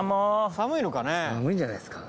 寒いんじゃないですか。